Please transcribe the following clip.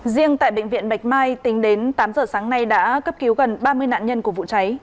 riêng tại bệnh viện bạch mai tính đến tám giờ sáng nay đã cấp cứu gần ba mươi nạn nhân của vụ cháy